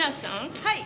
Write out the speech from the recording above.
はい。